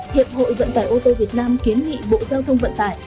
hiệp hội vận tải ô tô việt nam kiến nghị bộ giao thông vận tải